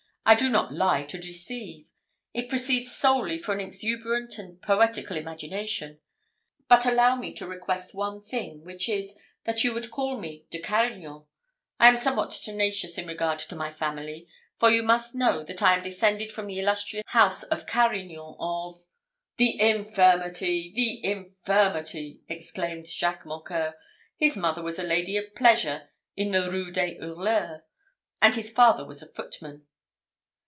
I do not lie to deceive. It proceeds solely from an exuberant and poetical imagination. But allow me to request one thing, which is, that you would call me De Carignan. I am somewhat tenacious in regard to my family; for you must know that I am descended from the illustrious house of Carignan of " "The infirmity! the infirmity!" exclaimed Jacques Mocqueur. "His mother was a lady of pleasure in the Rue des Hurleurs, and his father was a footman."